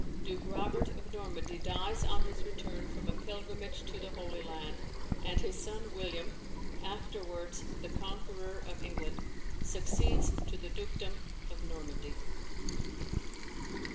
Duke Robert of Normandy dies on his return from a pilgrimage to the Holy Land, and his son William (afterwards the conqueror of England) succeeds to the dukedom of Normandy.